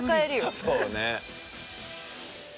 そうね。